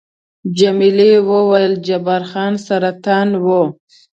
جميلې وويل:، جبار خان سرطان وو؟